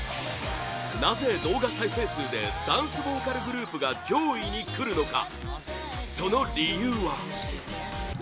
なぜ、動画再生数でダンスボーカルグループが上位にくるのか？